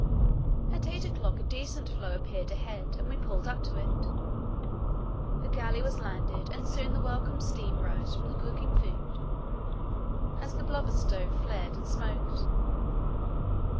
At eight o'clock a decent floe appeared ahead and we pulled up to it. The galley was landed, and soon the welcome steam rose from the cooking food as the blubber stove flared and smoked.